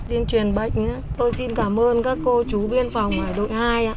xin truyền bệnh tôi xin cảm ơn các cô chú biên phòng hải đội hai